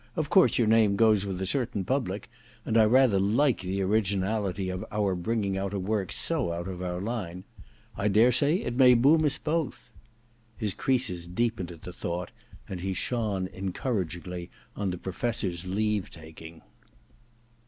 Of course your name goes with a certain public — and I rather like the originality of our bringing out a work so out of our line. I daresay it nuy boom us both.' His creases deepened at the thought, and he shone en couragingly on the Professor's leave taking.